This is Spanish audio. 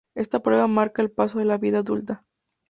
Esta prueba marca el paso a la vida adulta.